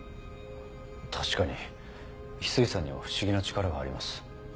確かに翡翠さんには不思議な力があります。